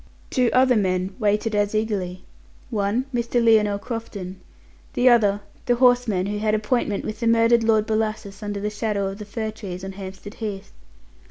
Two other men waited as eagerly. One, Mr. Lionel Crofton; the other, the horseman who had appointment with the murdered Lord Bellasis under the shadow of the fir trees on Hampstead Heath.